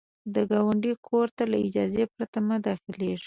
د ګاونډي کور ته له اجازې پرته مه داخلیږه